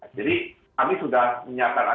jadi kami sudah menyampaikan